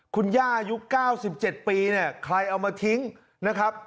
คุณย่าอายุ๙๗ปีเนี่ยใครเอามาทิ้งนะครับ